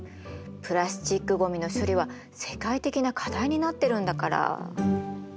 プラスチックごみの処理は世界的な課題になってるんだから。